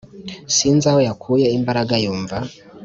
sinzaho yakuye imbaraga yumva